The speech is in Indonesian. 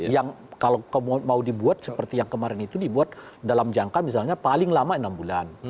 yang kalau mau dibuat seperti yang kemarin itu dibuat dalam jangka misalnya paling lama enam bulan